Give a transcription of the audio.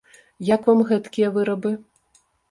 Як вам гэткія вырабы?